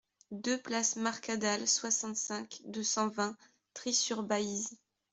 deux place Marcadale, soixante-cinq, deux cent vingt, Trie-sur-Baïse